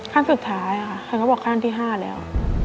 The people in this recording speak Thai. ขั้นสุดท้ายค่ะท่านก็บอกขั้นที่๕แล้ว